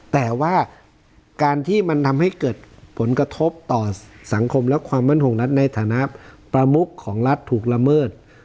แต่ว่าการที่มันทำให้เกิดผลกระทบต่อสังคมและความมั่นคงรัฐในฐานะประมุขของรัฐถูกละเมิด